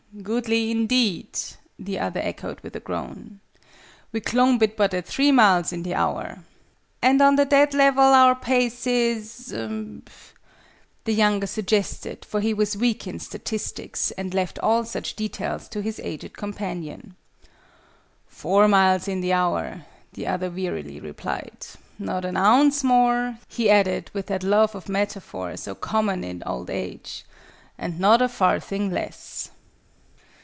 "Goodly, indeed!" the other echoed with a groan. "We clomb it but at three miles in the hour." "And on the dead level our pace is ?" the younger suggested; for he was weak in statistics, and left all such details to his aged companion. "Four miles in the hour," the other wearily replied. "Not an ounce more," he added, with that love of metaphor so common in old age, "and not a farthing less!"